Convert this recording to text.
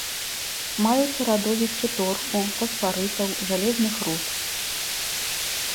Маюцца радовішчы торфу, фасфарытаў, жалезных руд.